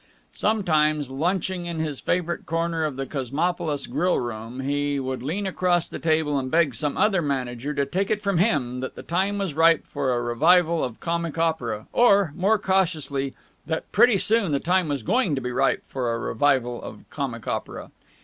Sometimes, lunching in his favourite corner in the Cosmopolis grill room, he would lean across the table and beg some other manager to take it from him that the time was ripe for a revival of comic opera or, more cautiously, that pretty soon the time was going to be ripe for a revival of comic opera.